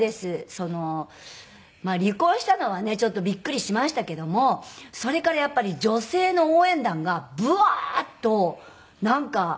その離婚したのはねちょっとビックリしましたけどもそれからやっぱり女性の応援団がブワーッとなんか。